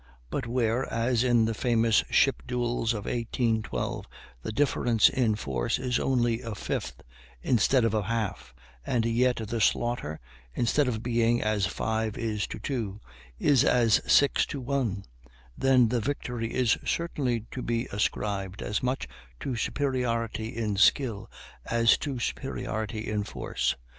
But where, as in the famous ship duels of 1812, the difference in force is only a fifth, instead of a half and yet the slaughter, instead of being as five is to two, is as six to one, then the victory is certainly to be ascribed as much to superiority in skill as to superiority in force.